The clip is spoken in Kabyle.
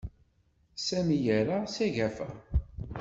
Sami yerra s agafa.